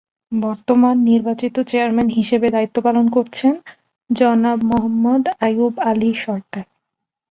বর্তমান নির্বাচিত চেয়ারম্যান হিসেবে দায়িত্ব পালন করছেন জনাব মোহাম্মদ আইয়ুব আলী সরকার।